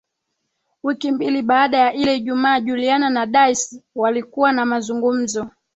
Wiki mbili baada ya ile ijumaa Juliana na Daisy walikuwa na mazungumzo